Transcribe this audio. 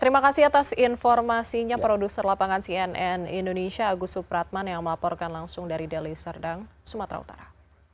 terima kasih atas informasinya produser lapangan cnn indonesia agus supratman yang melaporkan langsung dari deli serdang sumatera utara